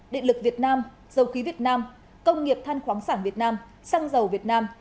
định lực việt nam dầu khí việt nam công nghiệp than khoáng sản việt nam xăng dầu việt nam